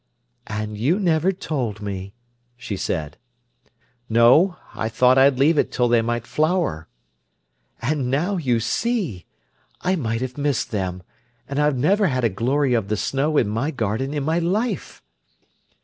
"And you never told me," she said. "No! I thought I'd leave it till they might flower." "And now, you see! I might have missed them. And I've never had a glory of the snow in my garden in my life."